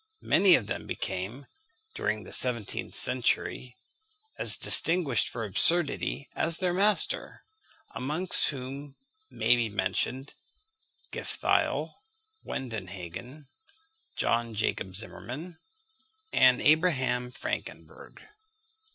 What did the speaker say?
Many of them became, during the seventeenth century, as distinguished for absurdity as their master; amongst whom may be mentioned Gifftheil, Wendenhagen, John Jacob Zimmermann, and Abraham Frankenberg.